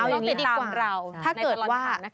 เอาอย่างนี้ดีกว่าถ้าเกิดว่า